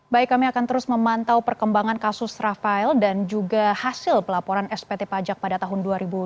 baik kami akan terus memantau perkembangan kasus rafael dan juga hasil pelaporan spt pajak pada tahun dua ribu dua puluh